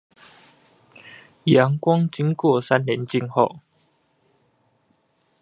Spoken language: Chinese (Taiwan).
陽光經過三稜鏡後